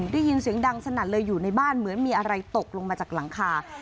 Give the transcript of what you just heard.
ได้ยินเสียงดังสนั่นเลยอยู่ในบ้านเหมือนมีอะไรตกลงมาจากหลังคา